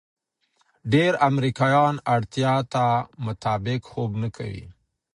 ډېر امریکایان اړتیا ته مطابق خوب نه کوي.